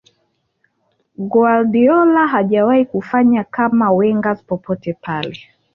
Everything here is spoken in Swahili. guardiola hajawahi kufanya kama wenger popote pale